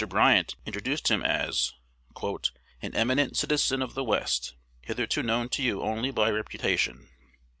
Bryant introduced him as "an eminent citizen of the West, hitherto known to you only by reputation."